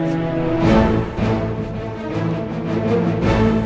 saya harus mengembangkan